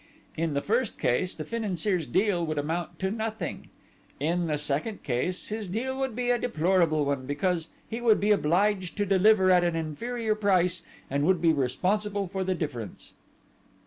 In the first case, the financier's deal would amount to nothing: in the second case, his deal would be a deplorable one, because he would be obliged to deliver at an inferior price, and would be responsible for the difference...."